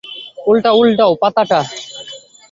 উল্টাও, উল্টাও পাতাটা।